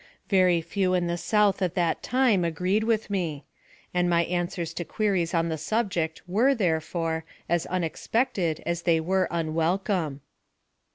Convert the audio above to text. Very few in the South at that time agreed with me, and my answers to queries on the subject were, therefore, as unexpected as they were unwelcome.